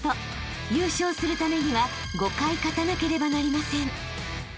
［優勝するためには５回勝たなければなりません］